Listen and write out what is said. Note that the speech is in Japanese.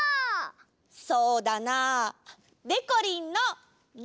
そうだなでこりんの「で」！